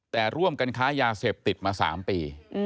แต่ร่วมกันค้ายาเสพติดมา๓ปี